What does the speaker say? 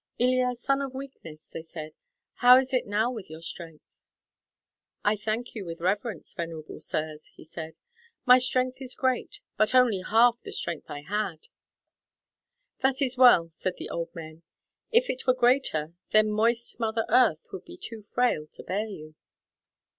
"Ilya, son of weakness," they said, "how is it now with your strength?" "I thank you with reverence, venerable sirs," he said, "my strength is great, but only half the strength I had." "That is well," said the old men; "if it were greater, then moist Mother Earth would be too frail to bear you."